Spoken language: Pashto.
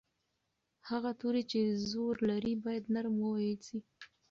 هغه توری چې زور لري باید نرم وویل شي.